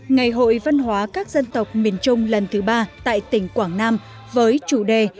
ngày hội văn hóa các dân tộc miền trung lần thứ ba tại tỉnh quảng nam với chủ đề